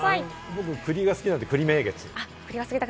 僕、栗が好きなので栗名月。